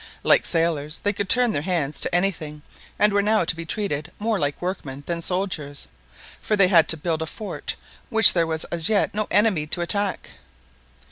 Like sailors, they could turn their hands to anything, and were now to be treated more like workmen than soldiers, for they were to build a fort which there was as yet no enemy to attack.